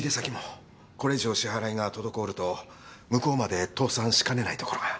これ以上支払いが滞ると向こうまで倒産しかねない所が。